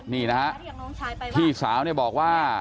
นี่นะฮะพี่สาวเนี่ยบอกว่า